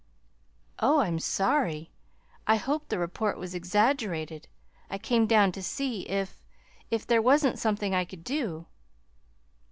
"Oh, I'm sorry! I hoped the report was exaggerated. I came down to see if if there wasn't something I could do."